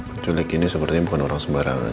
penculik ini sepertinya bukan orang sembarangan